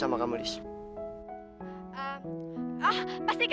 seorang akhir daripada perempuan gouwi mokchoukseku ini